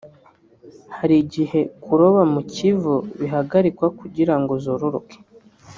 hari igihe kuroba mu Kivu bihagarikwa kugira ngo zororoke